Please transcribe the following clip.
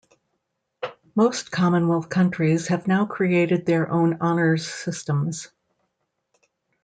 Most Commonwealth countries have now created their own honours systems.